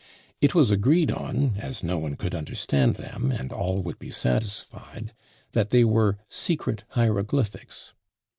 It was agreed on, as no one could understand them, and all would be satisfied, that they were secret hieroglyphics.